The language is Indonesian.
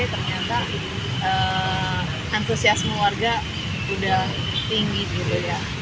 ternyata antusiasme warga sudah tinggi gitu ya